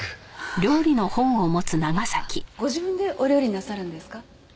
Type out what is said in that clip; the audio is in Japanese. あっご自分でお料理なさるんですか？